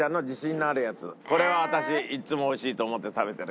これは私いつも美味しいと思って食べてる。